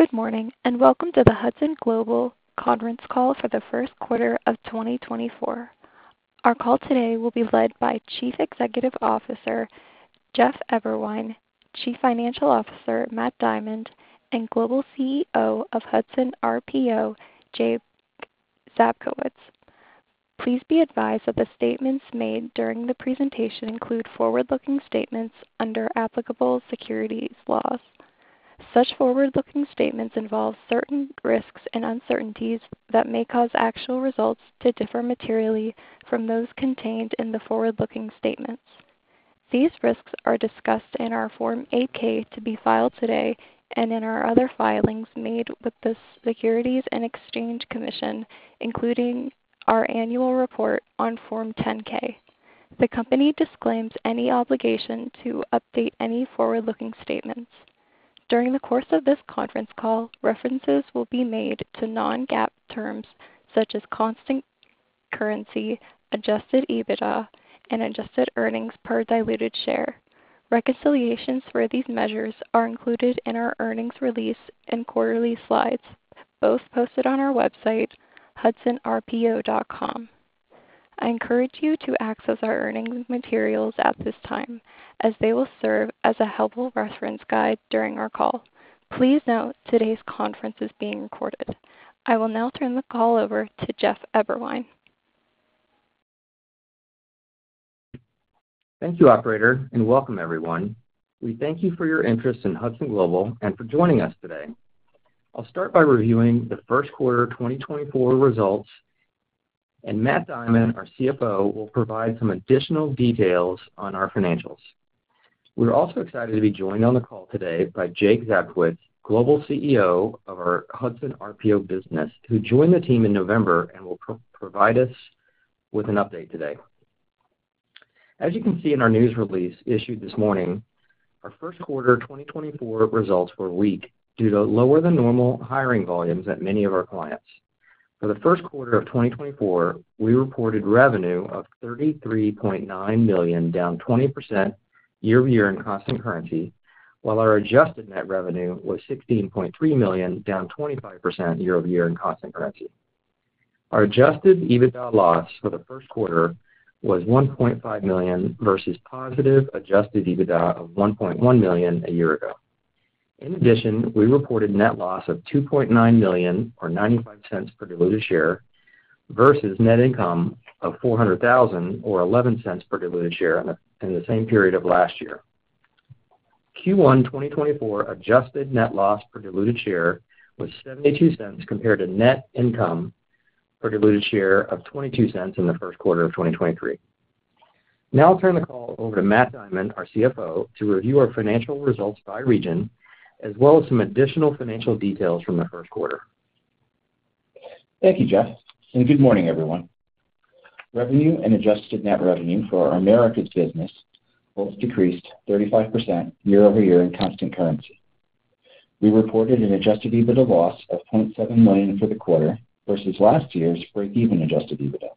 Good morning, and welcome to the Hudson Global conference call for the first quarter of 2024. Our call today will be led by Chief Executive Officer, Jeff Eberwein, Chief Financial Officer, Matt Diamond, and Global CEO of Hudson RPO, Jake Zabkowicz. Please be advised that the statements made during the presentation include forward-looking statements under applicable securities laws. Such forward-looking statements involve certain risks and uncertainties that may cause actual results to differ materially from those contained in the forward-looking statements. These risks are discussed in our Form 8-K to be filed today and in our other filings made with the Securities and Exchange Commission, including our annual report on Form 10-K. The company disclaims any obligation to update any forward-looking statements. During the course of this conference call, references will be made to Non-GAAP terms such as constant currency, Adjusted EBITDA, and Adjusted Earnings Per Diluted Share. Reconciliations for these measures are included in our earnings release and quarterly slides, both posted on our website, hudsonrpo.com. I encourage you to access our earnings materials at this time, as they will serve as a helpful reference guide during our call. Please note today's conference is being recorded. I will now turn the call over to Jeff Eberwein. Thank you, operator, and welcome everyone. We thank you for your interest in Hudson Global and for joining us today. I'll start by reviewing the first quarter 2024 results, and Matt Diamond, our CFO, will provide some additional details on our financials. We're also excited to be joined on the call today by Jake Zabkowicz, Global CEO of our Hudson RPO business, who joined the team in November and will provide us with an update today. As you can see in our news release issued this morning, our first quarter 2024 results were weak due to lower than normal hiring volumes at many of our clients. For the first quarter of 2024, we reported revenue of $33.9 million, down 20% year-over-year in constant currency, while our Adjusted Net Revenue was $16.3 million, down 25% year-over-year in constant currency. Our Adjusted EBITDA loss for the first quarter was $1.5 million versus positive Adjusted EBITDA of $1.1 million a year ago. In addition, we reported net loss of $2.9 million, or $0.95 per diluted share, versus net income of $400,000 or $0.11 per diluted share in the same period of last year. Q1 2024 Adjusted Net Loss Per Diluted Share was $0.72, compared to net income per diluted share of $0.22 in the first quarter of 2023. Now I'll turn the call over to Matt Diamond, our CFO, to review our financial results by region, as well as some additional financial details from the first quarter. Thank you, Jeff, and good morning, everyone. Revenue and Adjusted Net Revenue for our Americas business both decreased 35% year-over-year in constant currency. We reported an Adjusted EBITDA loss of $0.7 million for the quarter versus last year's breakeven Adjusted EBITDA.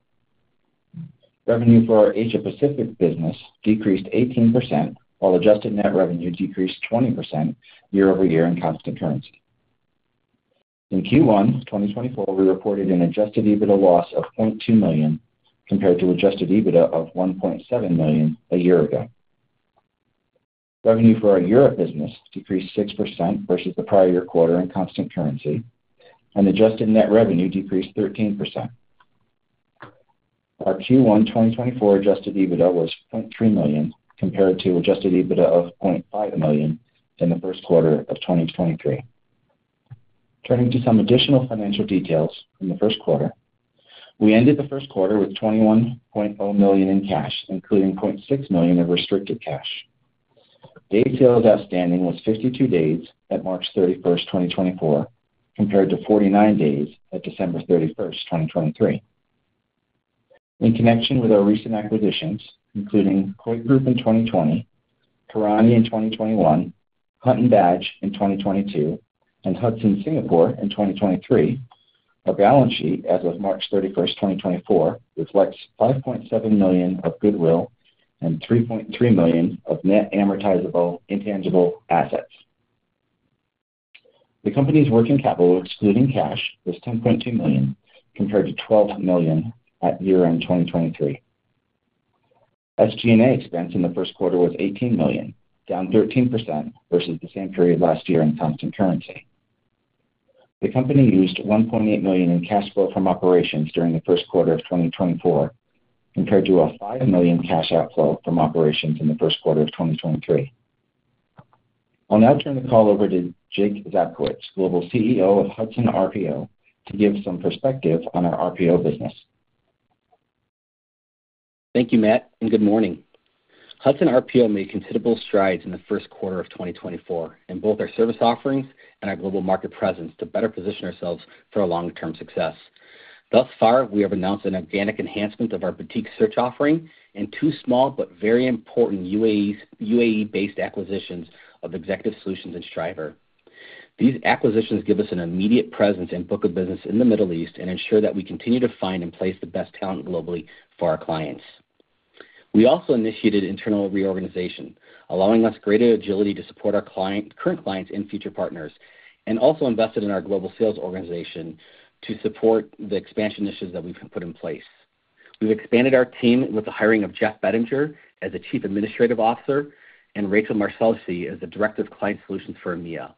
Revenue for our Asia Pacific business decreased 18%, while Adjusted Net Revenue decreased 20% year-over-year in constant currency. In Q1 2024, we reported an Adjusted EBITDA loss of $0.2 million, compared to Adjusted EBITDA of $1.7 million a year ago. Revenue for our Europe business decreased 6% versus the prior year quarter in constant currency, and Adjusted Net Revenue decreased 13%. Our Q1 2024 Adjusted EBITDA was $0.3 million, compared to Adjusted EBITDA of $0.5 million in the first quarter of 2023. Turning to some additional financial details in the first quarter. We ended the first quarter with $21.0 million in cash, including $0.6 million of restricted cash. Days Sales Outstanding was 52 days at March 31, 2024, compared to 49 days at December 31, 2023. In connection with our recent acquisitions, including Coit Group in 2020, Karani in 2021, Hunt & Badge in 2022, and Hudson Singapore in 2023, our balance sheet as of March 31, 2024, reflects $5.7 million of goodwill and $3.3 million of net amortizable intangible assets. The company's working capital, excluding cash, was $10.2 million, compared to $12 million at year-end 2023. SG&A expense in the first quarter was $18 million, down 13% versus the same period last year in constant currency. The company used $1.8 million in cash flow from operations during the first quarter of 2024, compared to a $5 million cash outflow from operations in the first quarter of 2023. I'll now turn the call over to Jake Zabkowicz, Global CEO of Hudson RPO, to give some perspective on our RPO business. Thank you, Matt, and good morning. Hudson RPO made considerable strides in the first quarter of 2024 in both our service offerings and our global market presence to better position ourselves for our long-term success. Thus far, we have announced an organic enhancement of our boutique search offering and two small but very important UAE-based acquisitions of Executive Solutions and Striver. These acquisitions give us an immediate presence and book of business in the Middle East and ensure that we continue to find and place the best talent globally for our clients.... We also initiated internal reorganization, allowing us greater agility to support our current clients and future partners, and also invested in our global sales organization to support the expansion initiatives that we've put in place. We've expanded our team with the hiring of Jeff Bettinger as the Chief Administrative Officer, and Rachel Marshalsea as the Director of Client Solutions for EMEA.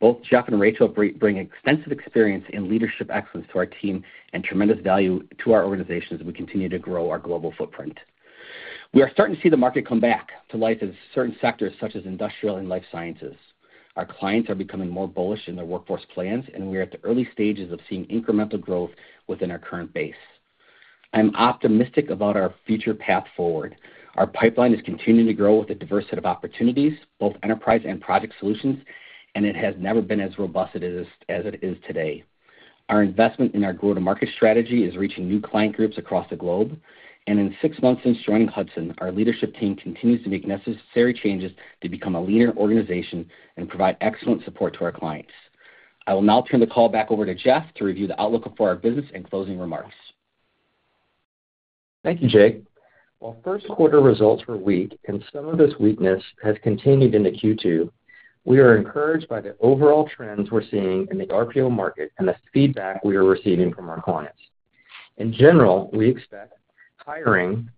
Both Jeff and Rachel bring extensive experience and leadership excellence to our team and tremendous value to our organization as we continue to grow our global footprint. We are starting to see the market come back to life in certain sectors such as industrial and life sciences. Our clients are becoming more bullish in their workforce plans, and we are at the early stages of seeing incremental growth within our current base. I'm optimistic about our future path forward. Our pipeline is continuing to grow with a diverse set of opportunities, both enterprise and project solutions, and it has never been as robust as it is, as it is today. Our investment in our go-to-market strategy is reaching new client groups across the globe. In six months since joining Hudson, our leadership team continues to make necessary changes to become a leaner organization and provide excellent support to our clients. I will now turn the call back over to Jeff to review the outlook for our business and closing remarks. Thank you, Jake. While first quarter results were weak and some of this weakness has continued into Q2, we are encouraged by the overall trends we're seeing in the RPO market and the feedback we are receiving from our clients. In general, we expect hiring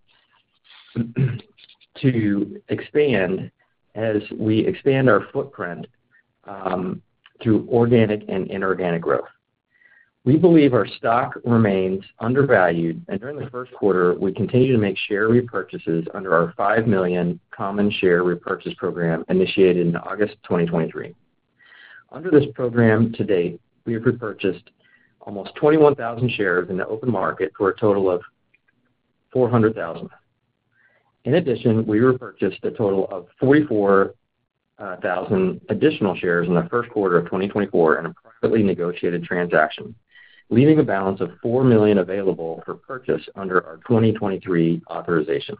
to expand as we expand our footprint through organic and inorganic growth. We believe our stock remains undervalued, and during the first quarter, we continued to make share repurchases under our 5 million common share repurchase program initiated in August 2023. Under this program to date, we have repurchased almost 21,000 shares in the open market for a total of $400,000. In addition, we repurchased a total of 44,000 additional shares in the first quarter of 2024 in a privately negotiated transaction, leaving a balance of 4 million available for purchase under our 2023 authorization.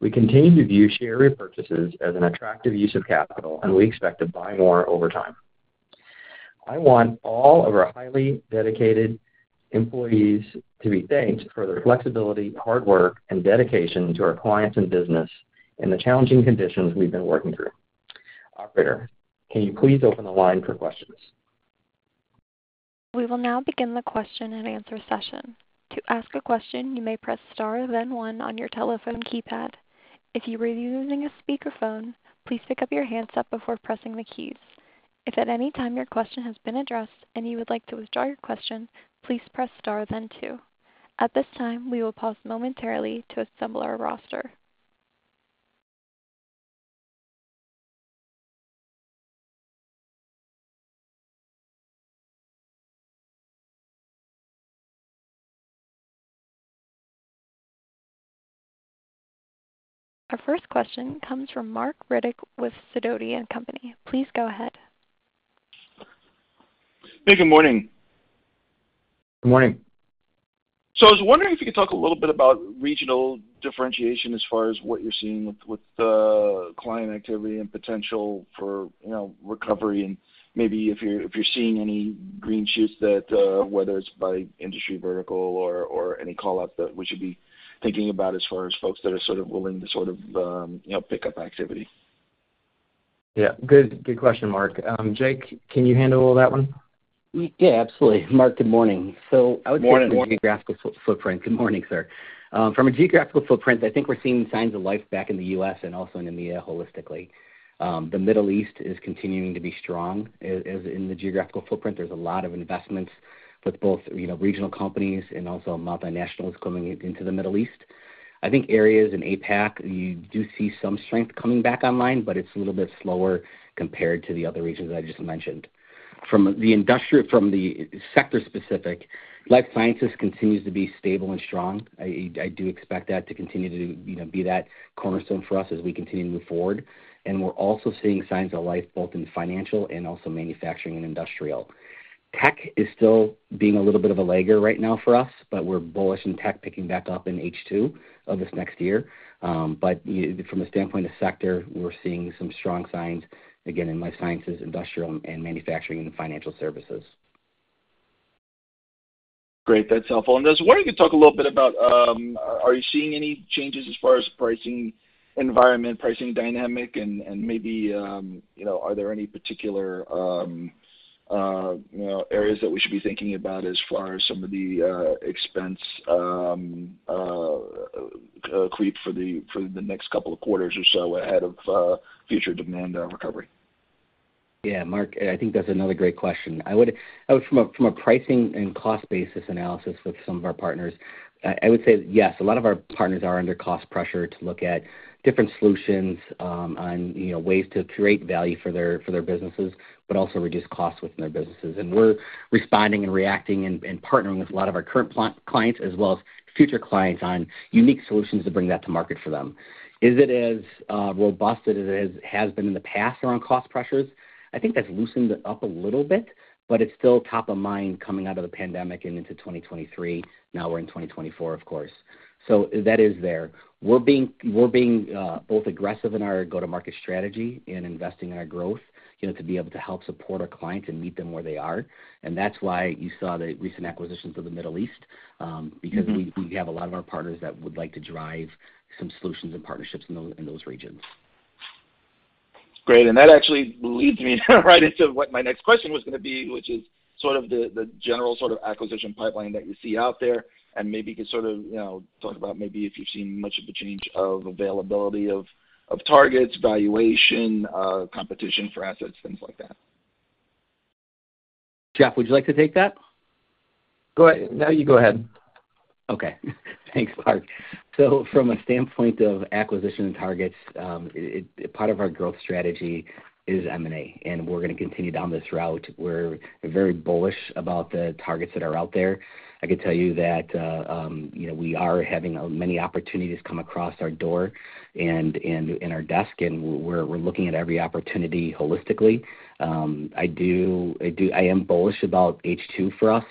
We continue to view share repurchases as an attractive use of capital, and we expect to buy more over time. I want all of our highly dedicated employees to be thanked for their flexibility, hard work, and dedication to our clients and business in the challenging conditions we've been working through. Operator, can you please open the line for questions? We will now begin the question and answer session. To ask a question, you may press Star, then one on your telephone keypad. If you are using a speakerphone, please pick up your handset before pressing the keys. If at any time your question has been addressed and you would like to withdraw your question, please press Star then two. At this time, we will pause momentarily to assemble our roster. Our first question comes from Marc Riddick with Sidoti & Company. Please go ahead. Hey, good morning. Good morning. So I was wondering if you could talk a little bit about regional differentiation as far as what you're seeing with the client activity and potential for, you know, recovery, and maybe if you're seeing any green shoots that whether it's by industry vertical or any call-out that we should be thinking about as far as folks that are sort of willing to sort of, you know, pick up activity. Yeah. Good, good question, Mark. Jake, can you handle all that one? Yeah, absolutely. Mark, good morning. Morning. So I would say from a geographical footprint... Good morning, sir. From a geographical footprint, I think we're seeing signs of life back in the U.S. and also in EMEA holistically. The Middle East is continuing to be strong. As in the geographical footprint, there's a lot of investments with both, you know, regional companies and also multinationals coming into the Middle East. I think areas in APAC, you do see some strength coming back online, but it's a little bit slower compared to the other regions I just mentioned. From the sector-specific, life sciences continues to be stable and strong. I do expect that to continue to, you know, be that cornerstone for us as we continue to move forward. And we're also seeing signs of life, both in financial and also manufacturing and industrial. Tech is still being a little bit of a lagger right now for us, but we're bullish in tech, picking back up in H2 of this next year. But from a standpoint of sector, we're seeing some strong signs, again, in life sciences, industrial and manufacturing, and financial services. Great, that's helpful. I was wondering if you could talk a little bit about, are you seeing any changes as far as pricing environment, pricing dynamic, and maybe, you know, are there any particular, you know, areas that we should be thinking about as far as some of the, expense creep for the next couple of quarters or so ahead of, future demand recovery? Yeah, Mark, I think that's another great question. From a pricing and cost basis analysis with some of our partners, I would say, yes, a lot of our partners are under cost pressure to look at different solutions, on, you know, ways to create value for their businesses, but also reduce costs within their businesses. And we're responding and reacting and partnering with a lot of our current clients, as well as future clients on unique solutions to bring that to market for them. Is it as robust as it has been in the past around cost pressures? I think that's loosened up a little bit, but it's still top of mind coming out of the pandemic and into 2023. Now we're in 2024, of course. So that is there. We're being both aggressive in our go-to-market strategy and investing in our growth, you know, to be able to help support our clients and meet them where they are. That's why you saw the recent acquisitions of the Middle East, because we have a lot of our partners that would like to drive some solutions and partnerships in those regions. Great, and that actually leads me right into what my next question was going to be, which is sort of the general sort of acquisition pipeline that you see out there, and maybe you could sort of, you know, talk about maybe if you've seen much of a change of availability of targets, valuation, competition for assets, things like that. Jeff, would you like to take that? Go ahead. No, you go ahead. Okay. Thanks, Mark. So from a standpoint of acquisition targets, part of our growth strategy is M&A, and we're going to continue down this route. We're very bullish about the targets that are out there. I can tell you that, you know, we are having many opportunities come across our door and in our desk, and we're looking at every opportunity holistically. I am bullish about H2 for us,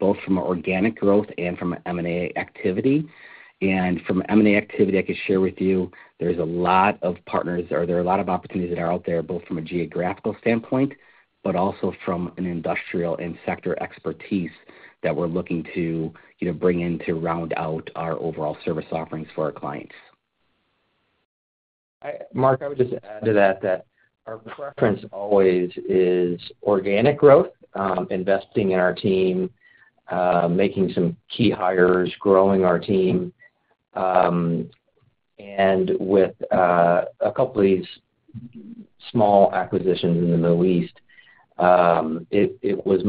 both from an organic growth and from an M&A activity. And from M&A activity, I can share with you there's a lot of partners, or there are a lot of opportunities that are out there, both from a geographical standpoint, but also from an industrial and sector expertise that we're looking to, you know, bring in to round out our overall service offerings for our clients. Mark, I would just add to that, that our preference always is organic growth, investing in our team, making some key hires, growing our team. And with a couple of these small acquisitions in the Middle East, it was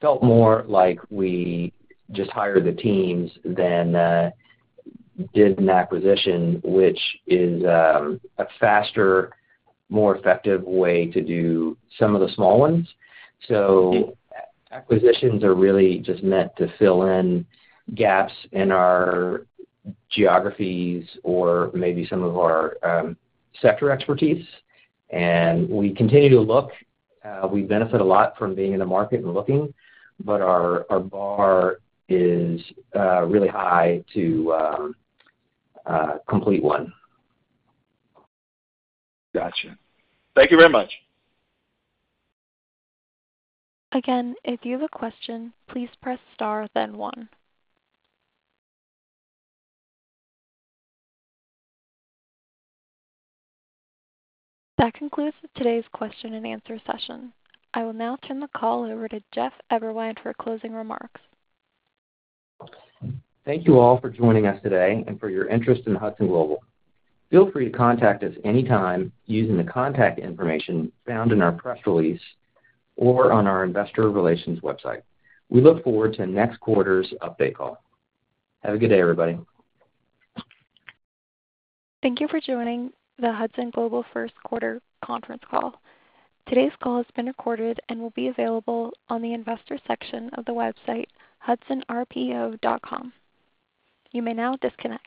felt more like we just hired the teams than did an acquisition, which is a faster, more effective way to do some of the small ones. So acquisitions are really just meant to fill in gaps in our geographies or maybe some of our sector expertise, and we continue to look. We benefit a lot from being in the market and looking, but our bar is really high to complete one. Gotcha. Thank you very much. Again, if you have a question, please press star, then one. That concludes today's question and answer session. I will now turn the call over to Jeff Eberwein for closing remarks. Thank you all for joining us today and for your interest in Hudson Global. Feel free to contact us anytime using the contact information found in our press release or on our investor relations website. We look forward to next quarter's update call. Have a good day, everybody. Thank you for joining the Hudson Global First Quarter Conference Call. Today's call has been recorded and will be available on the investor section of the website, hudsonrpo.com. You may now disconnect.